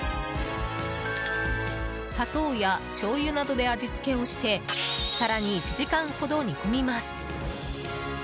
砂糖やしょうゆなどで味付けをして更に１時間ほど煮込みます。